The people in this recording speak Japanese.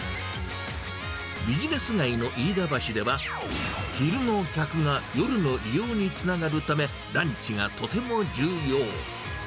ビジネス街の飯田橋では、昼の客が夜の利用につながるため、ランチがとても重要。